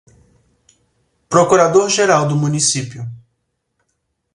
procurador-geral do Município